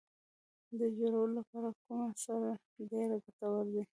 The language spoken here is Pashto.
د جوارو لپاره کومه سره ډیره ګټوره ده؟